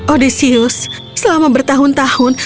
odysseus selama bertahun tahun